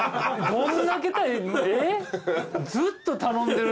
ずっと頼んでるシーン。